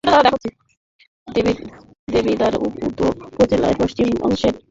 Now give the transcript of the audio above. দেবিদ্বার উপজেলার পশ্চিম-মধ্যাংশে দেবিদ্বার পৌরসভার অবস্থান।